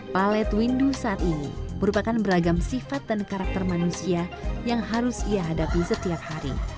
palet windu saat ini merupakan beragam sifat dan karakter manusia yang harus ia hadapi setiap hari